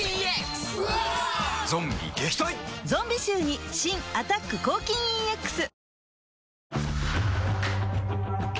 ゾンビ臭に新「アタック抗菌 ＥＸ」